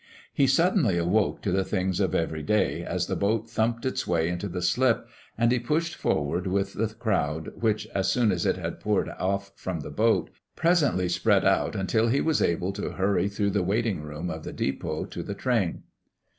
He suddenly awoke to the things of every day as the boat thumped its way into the slip, and he pushed forward with the crowd which, as soon as it had poured off from the boat, presently spread out until he was able to hurry through the waiting room of the depot to the train.